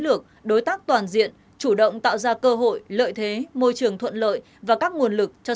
lược đối tác toàn diện chủ động tạo ra cơ hội lợi thế môi trường thuận lợi và các nguồn lực cho